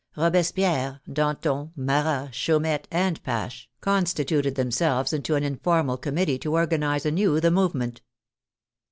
Robespierre, Danton, Marat, Chaumette, and Pache constituted themselves into an informal committee to organize anew the move ment.